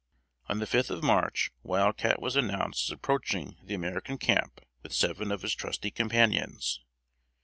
On the fifth of March, Wild Cat was announced as approaching the American camp with seven of his trusty companions.